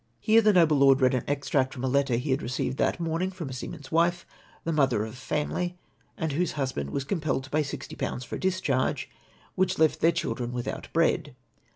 " Here the noble lord read an extract from a letter he had received that morning from a seaman's wife, the mother of a family, and whose huslDand was compelled to pay 60/. for a discharge, which left their children Avithout bread.